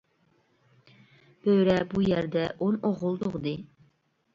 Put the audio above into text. بۆرە بۇ يەردە ئون ئوغۇل تۇغدى.